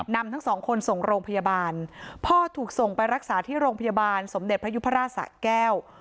นำทั้งสองคนส่งโรงพยาบาลพ่อถูกส่งไปรักษาที่โรงพยาบาลสมเด็จพระยุพราชสะแก้ว